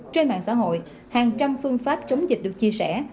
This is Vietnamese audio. trên mạng xã hội hàng trăm phương pháp chống dịch được chia sẻ